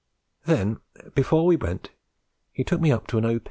Then, before we went, he took me up to an O.